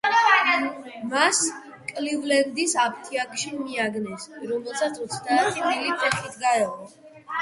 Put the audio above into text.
მას, კლივლენდის აფთიაქში მიაგნეს, რომელსაც ოცდაათი მილი ფეხით გაევლო.